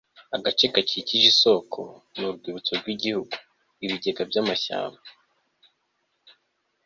agace gakikije isoko ni urwibutso rwigihugu, ibigega by'amashyamba